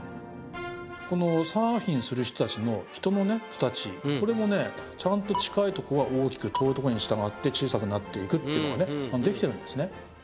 このサーフィンする人たちのこれもねちゃんと近いとこは大きく遠いとこにしたがって小さくなっていくっていうのがねできてるんですね。